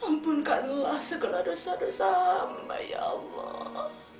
ampunkanlah segala dosa dosa hamba ya allah